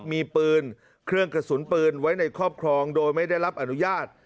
มีปืนเครื่องกระสุนปืนไว้ในครอบครองโดยไม่ได้รับอนุญาต